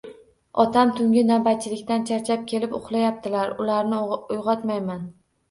“Otam tungi navbatchilikdan charchab kelib uxlayaptilar, ularni uyg‘otmayman